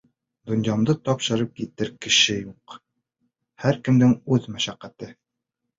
Донъямды тапшырып китер кешем юҡ — һәр кемдең үҙ мәшәҡәте.